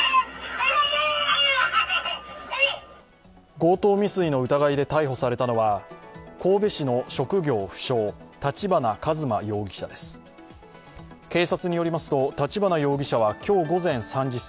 強盗未遂の疑いで逮捕されたのは、神戸市の職業不詳、立花和真容疑者です。